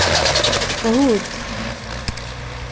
Hudd.